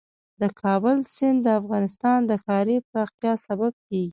د کابل سیند د افغانستان د ښاري پراختیا سبب کېږي.